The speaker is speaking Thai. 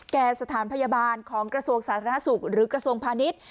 สถานพยาบาลของกระทรวงสาธารณสุขหรือกระทรวงพาณิชย์